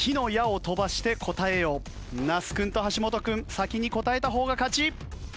那須君と橋本君先に答えた方が勝ち！